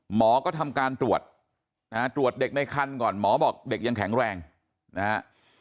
หมอก็ทำการตรวจนะฮะตรวจเด็กในคันก่อนหมอบอกเด็กยังแข็งแรงนะฮะ